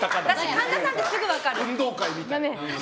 神田さんってすぐ分かる。